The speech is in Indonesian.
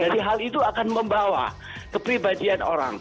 jadi hal itu akan membawa kepribadian orang